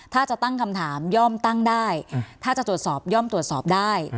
ถ้าจะตั้งคำถามย่อมตั้งได้ถ้าจะตรวจสอบย่อมตรวจสอบได้